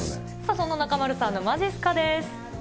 そんな中丸さんのまじっすかです。